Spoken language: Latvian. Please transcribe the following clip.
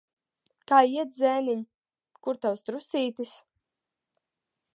Kā iet, zēniņ? Kur tavs trusītis?